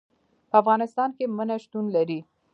په افغانستان کې منی شتون لري.